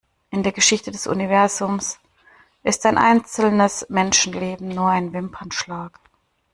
In der Geschichte des Universums ist ein einzelnes Menschenleben nur ein Wimpernschlag.